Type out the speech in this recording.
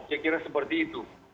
saya kira seperti itu